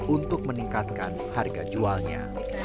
untuk meningkatkan harga jualnya